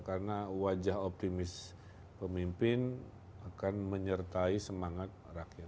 karena wajah optimis pemimpin akan menyertai semangat rakyat